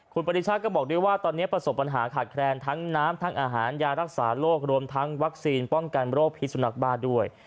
คุณปริชาติก็บอกด้วยว่าตอนนี้ประสบปัญหาขาดแคลนทั้งน้ำทั้งอาหารยารักษาโรครวมทั้งวัคซีนป้องกันโรคพิสุนักบ้าด้วย